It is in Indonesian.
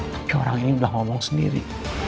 tapi orang ini udah ngomong sendiri